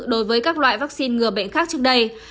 đối với các loại vaccine ngừa bệnh khác trước đây